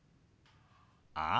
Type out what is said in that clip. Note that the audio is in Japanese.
ああ。